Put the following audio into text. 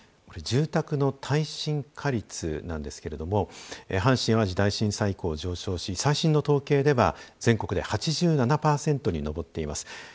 これ住宅の耐震化率なんですけれども阪神・淡路大震災以降上昇し最新の統計では全国で８７％に上っています。